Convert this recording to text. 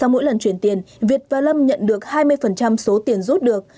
mỗi lần chuyển tiền việt và lâm nhận được hai mươi số tiền rút được